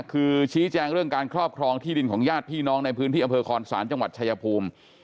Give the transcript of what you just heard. คือชี้แจงเรื่องการครอบครองที่ดินของญาติพี่น้องในพื้นที่อำเภอคอนศาลจังหวัดชายภูมิ